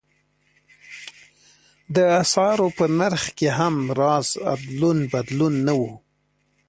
د اسعارو په نرخ کې هېڅ راز ادلون بدلون نه و.